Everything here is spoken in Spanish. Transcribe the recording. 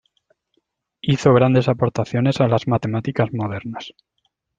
Hizo grandes aportaciones a las matemáticas modernas.